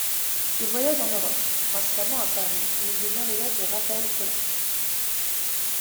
Il voyage en Europe, principalement à Paris où il devient l'élève de Raphaël Collin.